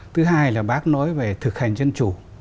thứ hai là bác nói về thực hành dân chủ